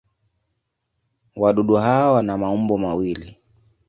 Wadudu hawa wana maumbo mawili.